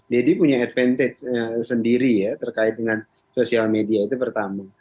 deddy punya advantage sendiri ya terkait dengan sosial media itu pertama